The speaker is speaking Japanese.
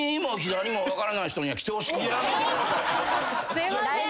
すいません。